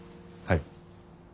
はい。